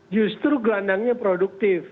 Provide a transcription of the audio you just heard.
justru gelandangnya produktif